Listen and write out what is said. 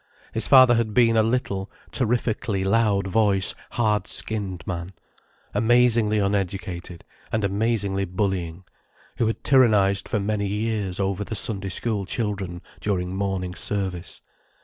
His father had been a little, terrifically loud voiced, hard skinned man, amazingly uneducated and amazingly bullying, who had tyrannized for many years over the Sunday School children during morning service.